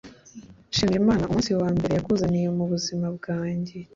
nshimira imana umunsi wa mbere yakunzaniye muzima bwanjye